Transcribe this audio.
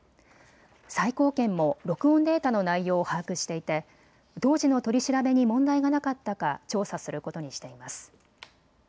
最高検も録音データの内容を把握していて当時の取り調べに問題がなかったか調査することにしています。